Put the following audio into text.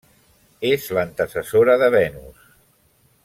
És l'antecessora de Venus.